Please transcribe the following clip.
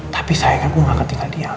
tapi sayangnya gua gak ketinggalan diam